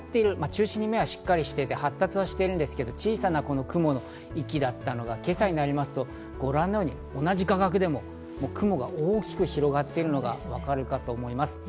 中心の目はしっかりしていて発達はしているんですが、小さな雲の域だったのが、今朝になりますとご覧のように同じ画角でも雲が大きく広がっているのがわかるかと思います。